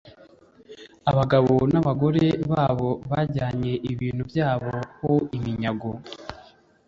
abagabo n’abagore babo bajyane ibintu byabo ho iminyago